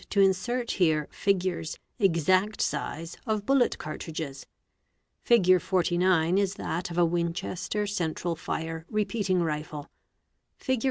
x sert here figures, exact size, of bullet cartridges. Fig. 49 is that of a 'Winchester Central Fire repeating Rifle, fzg.